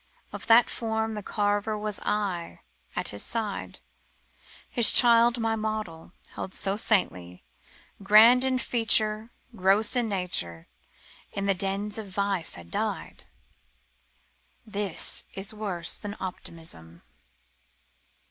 Of that form The carver was I at his side; His child my model, held so saintly, Grand in feature. Gross in nature, In the dens of vice had died. This is worse than optimism.